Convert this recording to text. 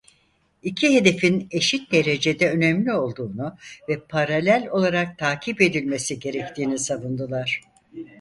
İki hedefin eşit derecede önemli olduğunu ve paralel olarak takip edilmesi gerektiğini savundular.